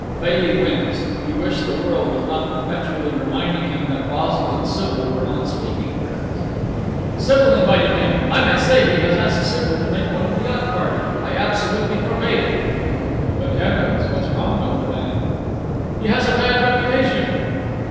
Bailey winced. He wished the world was not perpetually reminding him that Basil and Sybil were on speaking terms. "Sybil invited him. I may say he has asked Sybil to make one of the yacht party. I absolutely forbade it." "But, Heavens! What's wrong with the man?" "He has a bad reputation."